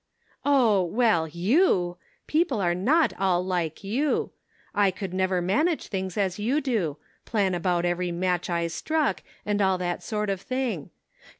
" Oh, well, you ! People are not all like you. I never could manage things as you do — plan about every match I struck, and all that sort of thing.